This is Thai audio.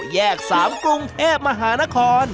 แยก๓กรุงเทพมหานคร